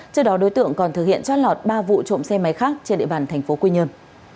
trước đó đối tượng còn thực hiện trót lọt ba vụ trộm xe máy khác trên địa bàn thành phố quy nhơn